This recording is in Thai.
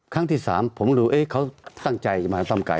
ครั้งที่สามผมรู้เขาตั้งใจจะมาฟาร์มไก่